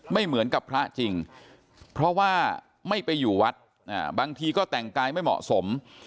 ไม่เหมือนกับพระจริงเพราะว่าไม่ไปอยู่วัดบางทีก็แต่งกายไม่เหมาะสม